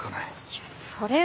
いやそれは。